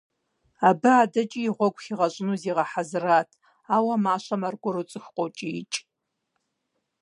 Абы адэкӀи и гъуэгу хигъэщӀыну зигъэхьэзырат, ауэ мащэм аргуэру цӀыху къокӀиикӀ: